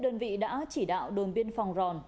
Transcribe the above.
đơn vị đã chỉ đạo đồn biên phòng ròn